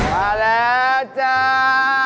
มาแล้วจ้า